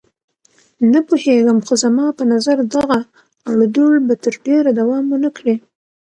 نه پوهېږم، خو زما په نظر دغه اړودوړ به تر ډېره دوام ونه کړي.